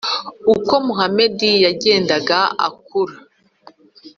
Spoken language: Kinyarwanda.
uko muhamadi yagendaga akura,